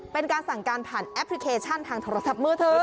เป็นการสั่งการผ่านแอปพลิเคชันทางโทรศัพท์มือถือ